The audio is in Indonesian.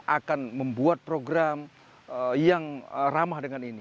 akan membuat program yang ramah dengan ini